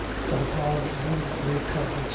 That upon you may come, etc.